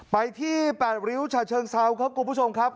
ไปที่๘ริ้วฉะเชิงเซาครับคุณผู้ชมครับ